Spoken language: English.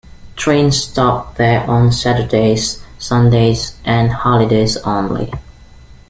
Trains stop there on Saturdays, Sundays and holidays only.